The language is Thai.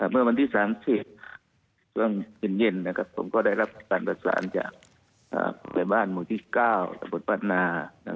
เมื่อวันที่๓๐ช่วงเย็นนะครับผมก็ได้รับการปรับสารจากบริบาลมูลที่๙สมบัติภาษณา